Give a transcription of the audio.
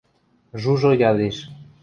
– Жужо ядеш.